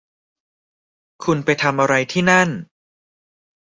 คุณไปทำอะไรที่นั่น